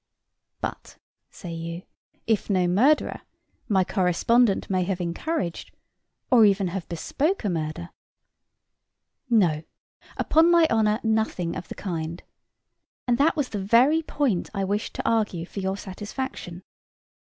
"But," say you, "If no murderer, my correspondent may have encouraged, or even have bespoke a murder." No, upon my honor nothing of the kind. And that was the very point I wished to argue for your satisfaction.